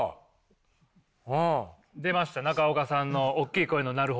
出ました中岡さんのおっきい声の「なるほど」が。